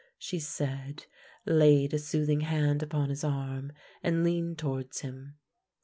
" she said, laid a soothing hand upon his arm, and leaned towards him.